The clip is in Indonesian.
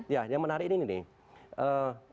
yang menarik ini nih nih